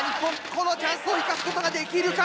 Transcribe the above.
このチャンスを生かすことができるか⁉